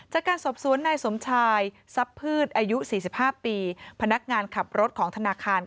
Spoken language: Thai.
จากการสอบสวนนายสมชายซับพืชอายุ๔๕ปีพนักงานขับรถของธนาคาร